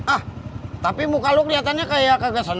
ah tapi muka lu keliatannya kayak kagak senang